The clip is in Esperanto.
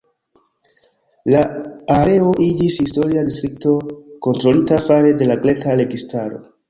La areo iĝis historia distrikto kontrolita fare de la greka registaro.